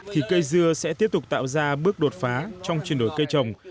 thì cây dưa sẽ tiếp tục tạo ra bước đột phá trong chuyển đổi cây trồng